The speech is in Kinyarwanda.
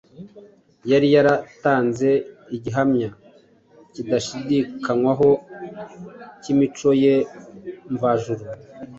yari yaratanze igihamya kidashidikanywaho cy’imico ye mvajuru.